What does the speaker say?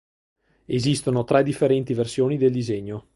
Esistono tre differenti versioni del disegno.